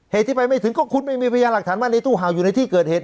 เหตุที่ไปไม่ถึงก็คุณไม่มีพยานหลักฐานว่าในตู้เห่าอยู่ในที่เกิดเหตุ